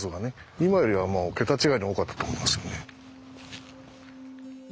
今よりは桁違いに多かったと思いますね。